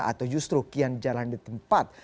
atau justru kian jalan di tempat